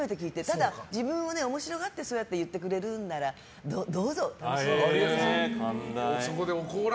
ただ、自分を面白がってそうやって言ってくれるならどうぞ楽しんでください。